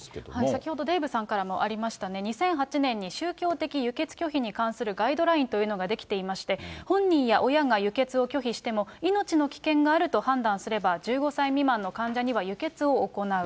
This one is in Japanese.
先ほどデーブさんからもありましたが、２００８年に宗教的輸血拒否に関するガイドラインというのが出来ていまして、本人や親が輸血を拒否しても、命に危険があると判断すれば、１５歳未満の患者には輸血を行う。